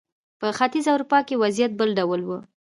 په ختیځه اروپا کې وضعیت بل ډول و.